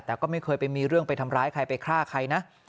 แต่ก็ไม่เคยไปมีเรื่องไปทำร้ายใครไปฆ่าใครนะ